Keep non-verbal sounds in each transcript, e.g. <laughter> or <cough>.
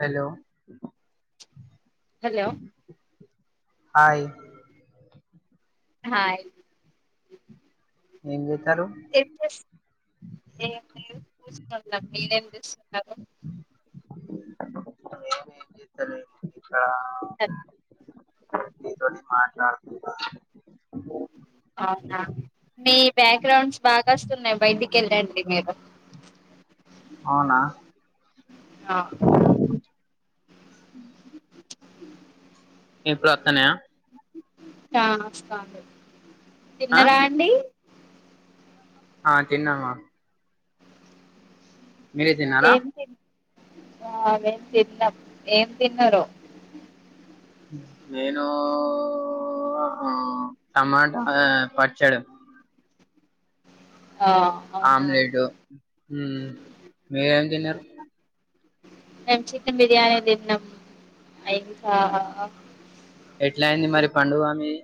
Hello hello hi hi ఏంజ ఎ ఫేష్ చూస్తున్నారు మీరు ఏంచేస్తున్నారు ఆ తోడి మాట్లాడుతు అవునా మీ బ్యాక్గ్రౌండ్ అవునా ఆ ఉ ఇప్పుడు వస్తున్నాయా ఆ వస్తాంది ఆ తిన్నరా అండి ఆ తిన్నమా మీరు తిన్నారా ఏం తిన్ ఆ మేం తిన్నాం ఏం తిన్నారో నేనూ ఊ టమాటా పచ్చడి ఆ అవునా ఆమ్లెట్ టు మ్ మీరు ఏం తిన్నారు మేం చికెన్ బిర్యానీ తిన్నాం అయికా ఎట్లా అయింది మరి పండుగ మీది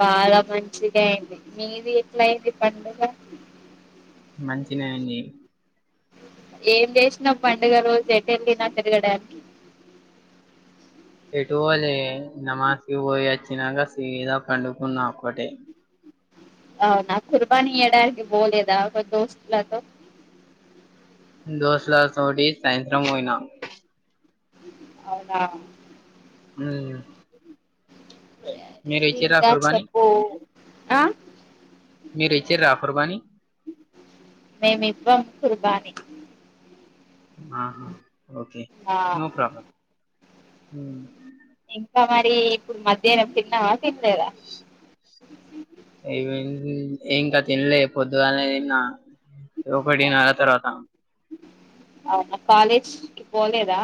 బాగా మంచిగా అయ్యింది మీది ఎట్లా అయింది పండుగ మంచినే అయ్యింది ఏం చేసినా పండుగ రోజు ఎటుఎల్లినా తిరగడానికి ఎటూ పోలే నమాజ్కి పోయి వచ్చినాక సీదా పండుకున్నా ఒక్కటే అవునా కుర్బానీ ఇయ్యాడానికి పోలేదా మి దోస్తులతో దోస్తుల తోటి సాయంత్రం పోయినా అవునా మ్ ఇంకా కుర్బానీ చెప్పు ఆ మీరిచ్చిర్ర ఆ కుర్బానీ మేమివ్వం కుర్బానీ ఆహా ఓకే ఆ నో ప్రాబ్లమ్ హమ్ ఇంకా మరీ ఇప్పుడు మధ్యాహ్నం తిన్నావా తినలేదా అయిపోం ఏ ఇంకా తినలే పొద్దుగాలనే తిన్నా ఒకటిన్నర తర్వాత అవునా కాలేజ్ కి పోలేదా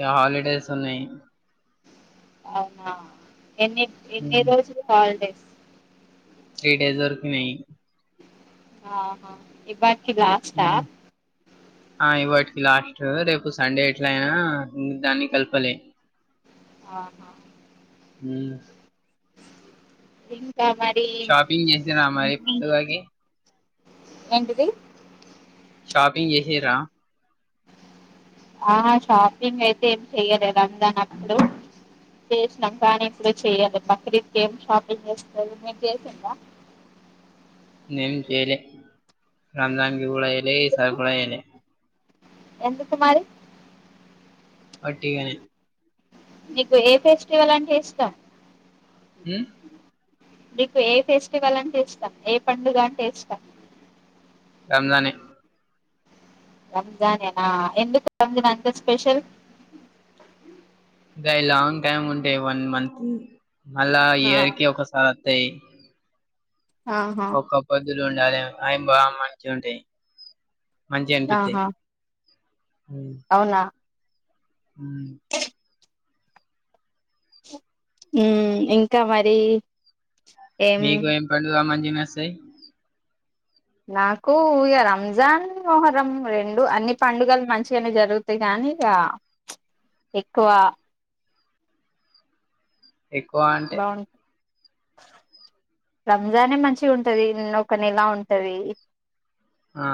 యా హాలిడేస్ ఉన్నాయ్ అవునా ఎన్ని ఎన్ని హ్మ్. రోజులు హాలిడేస్ త్రీ డేస్ వరకి నేన్ ఆహా ఇ బ ఊ ఆన్ని ఇవాటి లాస్ట్ రేపు సండే ఎట్లా అయినా దాన్ని కలపాలి ఆహా ఊ ఎం షాపింగ్ చేసారా మరి పండుగకి ఎంటిది షాపింగ్ చేసే రా ఆ షాపింగ్ అయితే ఏం చెయలేందానప్పుడు చేసినాం కానీ, ఇప్పుడు చెయ్యలే. బక్రీద్ కి ఏం షాపింగ్ చేస్తరు మీరు చేసిండ్ర. ఏం చేయలే రంజాన్ కూడాడ చేయలే ఈసరి ఎందుకు కూడ చేయలే ఎందుకు మారి పట్టి గనే నీకు ఏ ఫెస్టివల్ అంటే ఇష్టం హ్మ్ నీకు ఏ ఫెస్టివల్ అంటే ఇష్టం. ఏ పండుగ అంటే ఇష్టం. రంజాని రంజానేనా ఎందుకు రంజాన్ అంత స్పెషల్ ఇంకా లాంగ్ టైమ్ ఉంటాయి వన్ మంత్ మళ్ళా ఆ ఇయర్ కి ఒకసారి వత్తాయి ఆహా ఇల అయ బాగ మంచిగా ఉంటే మంచిగా అనిపిస్తే ఆహా అవునా ఊ ఉమ్ ఇంకా మరి ఏం మీకు ఎం పని ల మణి వినాసేయి నాకు ఇక రంజాన్ మోహరం రెండు అన్ని పండుగలు మంచిగానే జరుగుతాయి కానీ ఇక ఎక్కువ ఎక్కువ అంటే బాగుంట రంజానే మంచి ఉంటది నన్న ఒక నెలా ఉంటది ఆ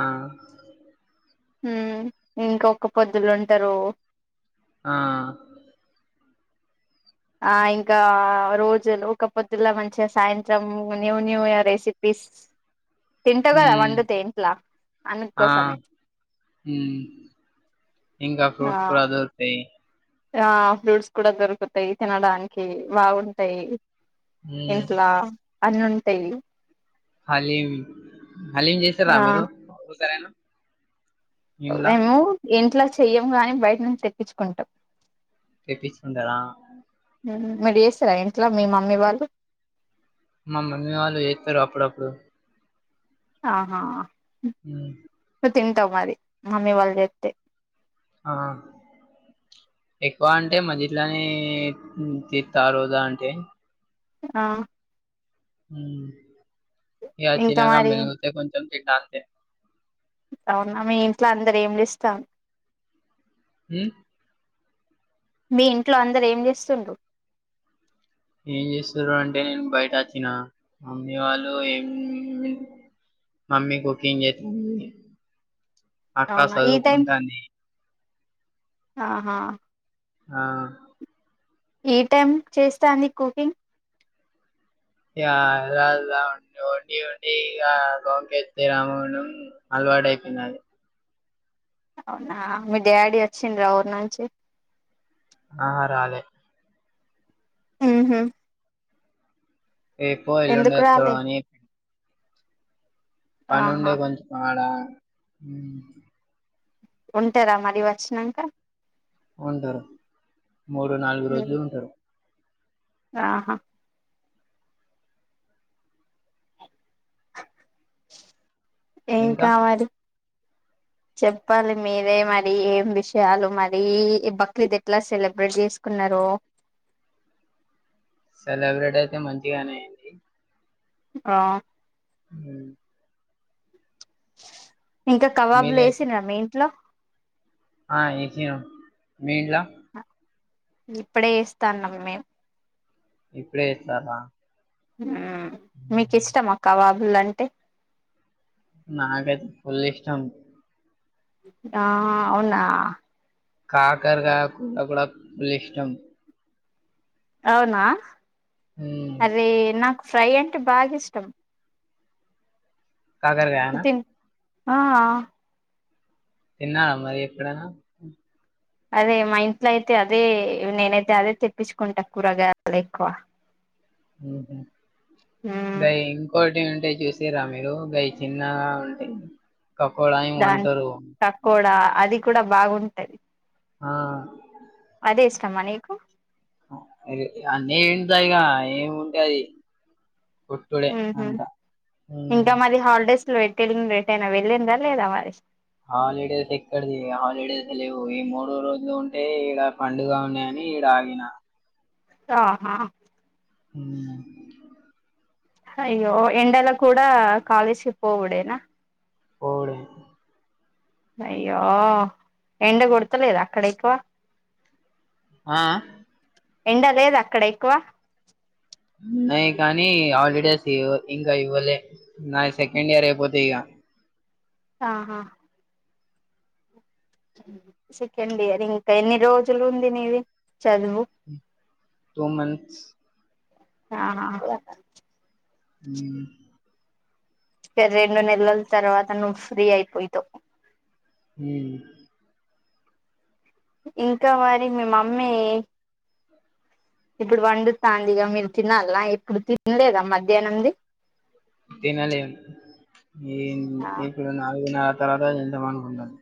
మ్మ్ ఇంకొక పొద్దులు ఉంటారు ఆ ఇంకా రోజులు ఒక పొద్దులో మంచిగా సాయంత్రం న్యూ న్యూ ఇయర్ రెసిపీస్ తింటావు కదా మ్మ్ వండుతే ఇంట్లా ఆ అందుకోసమే మ్మ్ ఇంకా ఆ ఫ్రూట్స్ కూడా దొరుకుతాయి ఆ ఫ్రూట్స్ కూడా దొరుకుతాయి తినడానికి బాగుంటయి ఉమ్ ఇంట్ల అన్నుంటై హలీం హలీంచేసిర ఆ మీరు ఒక్కసారైనా ఇంట్ల మేము ఇంట్లో చెయ్యం గాని బయట నుంచి తెప్పించుకుంటాం తెప్పించుకుంటార మీరు చేస్తారా ఇంట్లో మీ మమ్మీ వాళ్ళు మామమ్మీ వాళ్ళు వేస్తారు అప్పుడప్పుడు ఆహా హ్మ తింటాం మరి మమ్మీ వాళ్ళు చేస్తే ఆ ఎక్కువ అంటే మది ఇట్లోని తీస్తా రోజా అంటే ఆ హ్మ ఇగ ఇంకా తినగా మరి మలుగుతే కొ <unintelligible> అవునా మీ ఇంట్లో అందరు ఏం చేస్తాం మ్మ్ మీ ఇంట్లో అందరుూ ఏం చేస్తుంరు ఏం చేస్తారు అంటే నేను బయట వచ్చినా మమ్మీ వాళ్ళు ఏం మమ్మీ కుకింగ్ చేస్తా అవునా ఈ టైం ఆహా ఆ ఏ టమ్ చేస్తాంది కుకింగ్ ఇగ అలా అలా విండి వొండి ఇగా అలవాడైయిపోయినది అవునా మీ డాడీ వచ్చిండ్రా వుర్ నుంచి ఆహా రాలే మ్మ్ హ్మ్ రేపో ఎల్లుండో వస్తాడు రాలే అని పని ఉండే ఆహా కొంచెం ఆడ హ ఉంటారా మర వచ్చినాక ఉంటారు మూడు నాలుగు ఉమ్ రోజులు ఉంటారు ఆహా ఏం ఇంకా కావాలి చెప్పాలి మీరే మరి ఏం విషయాలు మరి బక్రీద్ ఎట్లా సెలబ్రేట్ చేసుకున్నారు సెలబ్రిటీ అయితే మంచిగానేయండి ఆ హ్మ ఇంకా కబబులు మీరే వేసిరా మీ ఇంట్లో ఆ వేసిరు మీ ఇంట్లా ఇప్పుడే ఇస్తాన్నాం మేము ఇప్పుడే వేస్తారా మీకు ఇష్టంమా కావాబ్ ళంటే నాకాతే ఫుల్ ఇష్టం ఆ అవునా కాకర్ కాయ కూర కూడా ఫుల్ ఇష్టం అవునా ఉమ్, అరే నాకు ఫ్రై అంటే బాగా ఇష్టం కాకర్కాయన తిన్ ఆ తన్నా మరి ఎ ఇక్కడనా అదే మా ఇంట్లో అయితే అదే నేనైతే అదే తెప్పించుకుంటా కూరగాయాలు ఎక్కువ మ్మ్ హ్మ్ ఉమ్ అదయ ఇంకోటి ఏంటి అంటే చూసారా మీరు గయ చిన్నగా ఉంటే కకోడాయి దాని వంటరు పకోడా అది కూడా బాగుంటది ఆ అదే ఇష్టమ్మా నీకు అన్నీ ఏంటంటాయిగా ఏమి ఉంటేది కొటుడే ఉహు అంతా వెట్టటిలి రట్టైనా వెళ్ిందా లేదా మరి హాలిడేస్ ఎక్కడిది హాలిడేస్ లేవు ఈ మూడు రోజులు ఉంటే ఈడ పండుగ ఉన్నాయని ఈడ ఆగిన ఆహా మ్మ్ అయ్యో ఎండలా కూడా కాాలేజ్కి పోవుడేనా పోవుడే అయ్యో ఎండ కొడతలేద అక్కడ ఎక్కువ ఆ ఎండ లేద అక్కడ ఎక్కువ ఉన్నయి కానీ హాలిడేస్ ఇంకా ఇవ్వలే నా సెకండ్ ఇయర్ అయిపోతే ఇక ఆహా సెకండ్ ఇయర్ ఇంకా ఎన్ని రోజులు ఉంది నీది చదువు టూ మంత్స్ ఆా హ రెండు నెలల తర్వాత నువ్వు ఫ్రీ అయిపోయితావు హ ఇంకా మరి మీ మమ్మీ ఇప్పుడు వండుతాంది ఇగ మీరు తినాలా ఇప్పుడు తినలేదా మధ్యాహ్నంది తినలేదు ఏ ఆ ఇప్పుడు నలుగు నాలు తరవాతా నింతమా ఉండది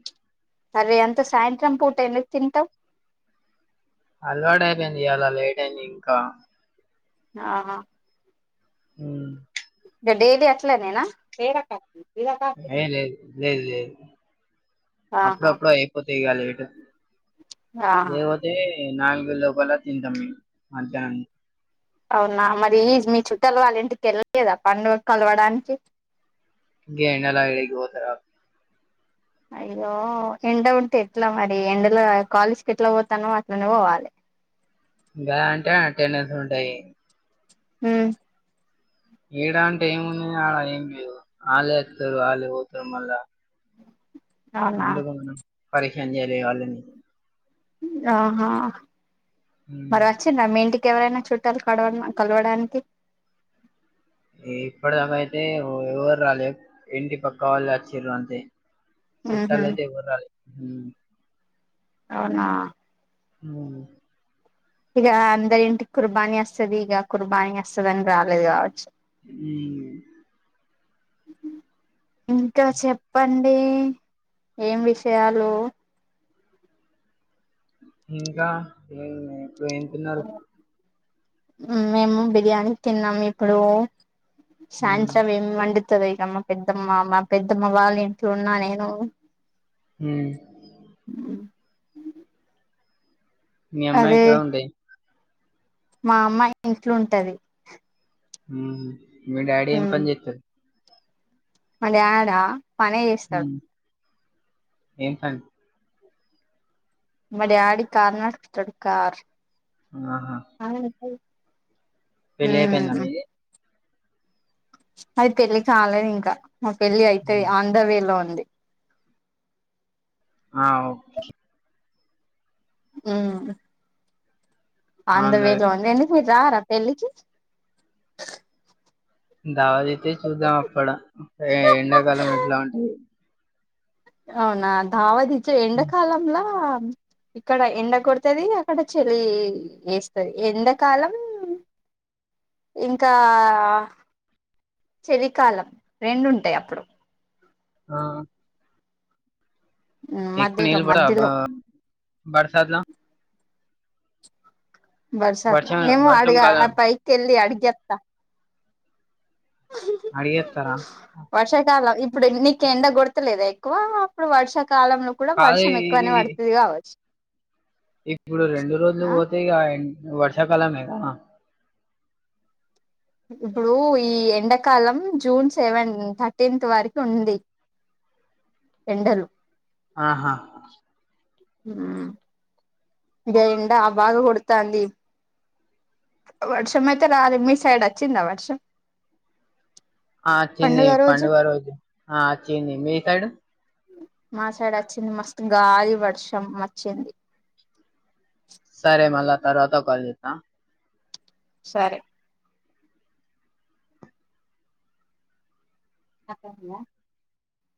సరే అంత సాయంత్రం పూట ఎందుకు తింటావు అలవాటు అయిపోయింది ఇయ్యాల లెట్ అయిపోయేది ఇంకా ఆా హ ఇగ డైలీ అట్లనేనా అ లేదు లేదు లేదు ఆహా అప్పుడప్పుడు ఏ ప దిగ లేట్ ఆ ఏ మ నాలుగు లోపల తింటాం మధ్యాహ్నం అవునా మరి ఈ మీ చుట్టల వాళ్ళ ఇంటికి వెళ్ళలేదా పండుగ కలవడానికి గి ఎండల ఎడికి పోతారాలు అయ్యో ఎండ ఉంటే ఎట్లా మరి ఎండలో కాలేజ్ కి ఎట్లా పోతానో అట్లనే పోవాలి ఇంకా అంటే అటెండెన్స్ ఉంటాయి హ ఏడ అంటే ఏముంది అడ ఏం లేరు వాలే ఎస్తారు వాళ్ళే పోతారు మళ్ళా అవునా ఎందుకు మనం పరేషాన్ చేయల్లే వాళ్ళను ఆహా ఉమ్. మరి వచ్చి ర మీంటికి ఎవరైనా చుట్టాలు కడవ కలవడానికి ఇప్పటిదాక అయితే ఎవరు రాలే ఇంటి పక్కా వాళ్ళు వచిర్రు అంతే ఉహు చుట్టలయితే ఎవ్వలు రాలె అవునా హుమ్ ఇక అందరి ఇంటికి కుర్బానీ వస్తది ఇగ కుర్బానీ వస్తదని రాలేదు కావచ్చు హుమ్ ఇంక చెప్పండి ఏం విషయాలు ఇంకా హుమ్ ఇప్పుడు ఏం తిన్నారు మేము బిర్యానీ తిన్నాము ఇప్పుడూ ఉమ్. సాయంత్రం ఏం వండ్ తది మా పెద్దమ్మ మా పెద్దమ్మ వాళ్ళ ఇంట్లో ఉన్నా నేను హుమ్ ఉ మీ అమ్మా ఎక్కడ ఉంది మా అమ్మాయి ఇంట్లుంటది హుమ్ మీ డాడీ ఏం పన్ చెత్తడు మ డాడ్ ఆ పనే చేస్తడు హ్మ్ ఏం పన్ మా డాడీ కార్ నడుపుతాడు కార్ ఆహా అ పెళ్ళి అయిపోయిందా మీది నాది పెళ్ళి కాలేద్ ఇంక మా పెళ్లిఅయితే ఉమ్. ఆన్ ద వే లో ఉన్ డి ఆ ఓకే హుమ్ ఆ ఆన్ ద వే ఉన్నది. లో ఉందండీ మీరు రార పెళ్ళికి దావతైతే చూద్దాం అప్పుడ ఇగ ఎండాకాలం ఎట్లా ఉంటది అవునా ధావత్ ఇ ఎండాకాలంలా ఇక్కడ ఎండ కొడుతది అక్కడ చలీ ఏస్తది ఎండాకాలం ఇంకా చలి కాలం రెండు ఉంటాయ్ అప్పుడు ఆ ఎక్కువ మధ్యలో నీళ్లు బడవా బా మధ్యలో బడ్ సద్లా బర్సాద్లా వర్షం ఏమో వర్షం అడగ ఆ కాలం పైక్ ఎల్లి అడి చెప్త అడిగేత్తరా? వర్షాకాలం ఇప్పుడు నీకెండ గొడుతు త్ లేదా ఎక్కువ అప్పుడు వర్షప్ కాలంలో కూడా కాదు ఈ వర్షం ఎక్కువనే పడుతది కావచ్చు ఇప్పుడు రెండు రోజులు ఆ పోతే ఈగయన్ మ్మ్ వర్షాకాలం <unintelligible> ఇప్పుడు ఈ ఎండాకాలం జూన్ సెవెన్ థర్టీన్త్ వారికి ఉంది ఎండలు ఆహా మ్మ్ ఇగ ఎండ బాగా కొడుతంది వర్షం అయితే రాలే మీ సైడ్ వచ్చిందా వర్షం ఆ వచ్చింది పండుగ రోజు ఆ వచ్చింది మీ సైడ్ మా సైడ్ వచ్చింది మస్తు గాలి వర్షం వచ్చింది సరే మళ్ళ తర్వాత కాల్ చెత్త సరే <unintelligible>